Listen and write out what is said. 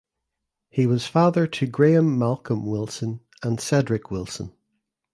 He was father to Graham Malcolm Wilson and Cedric Wilson.